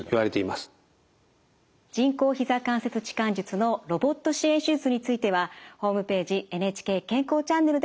人工ひざ関節置換術のロボット支援手術についてはホームページ「ＮＨＫ健康チャンネル」でもご覧いただけます。